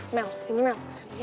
mel sini mel